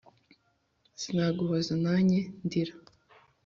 sinaguhoza na nye ndira